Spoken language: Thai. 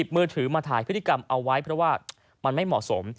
มือถือมาถ่ายพฤติกรรมเอาไว้เพราะว่ามันไม่เหมาะสม